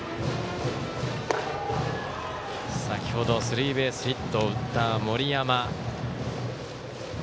先ほどスリーベースヒットを打った森山。